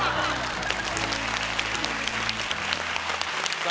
さあ